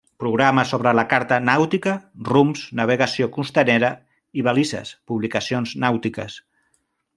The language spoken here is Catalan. Programes sobre la carta nàutica, rumbs, navegació costanera i balises, publicacions nàutiques.